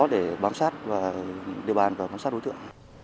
để bám sát vào địa bàn và bám sát đối tượng